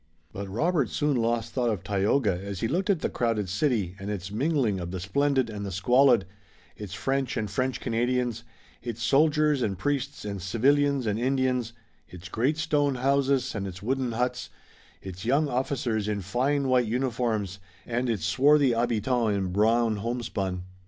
But Robert soon lost thought of Tayoga as he looked at the crowded city, and its mingling of the splendid and the squalid, its French and French Canadians, its soldiers and priests and civilians and Indians, its great stone houses, and its wooden huts, its young officers in fine white uniforms and its swarthy habitants in brown homespun.